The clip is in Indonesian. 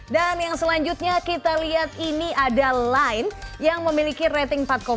dan yang selanjutnya kita lihat ini ada line yang memiliki rating empat dua